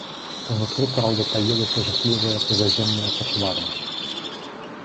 Унутры, праўда, таілася жахлівае пазаземныя пачвара.